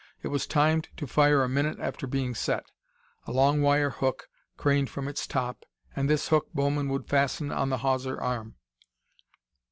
It was timed to fire a minute after being set. A long wire hook craned from its top, and this hook Bowman would fasten on the hawser arm.